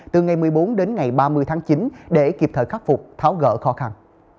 từ ngày một mươi bốn đến ngày ba mươi tháng chín để kịp thời khắc phục tháo gỡ khó khăn